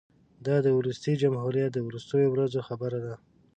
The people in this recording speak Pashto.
دا د وروستي جمهوریت د وروستیو ورځو خبره ده.